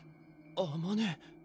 ⁉あまね